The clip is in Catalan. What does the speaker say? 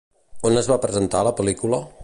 On es va presentar la pel·lícula?